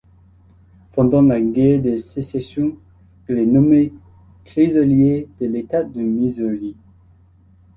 Pendant la guerre de Sécession, il est nommé Trésorier de l'État du Missouri.